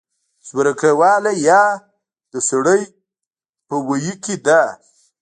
زورکۍ واله يا د سړۍ په ویي کې ده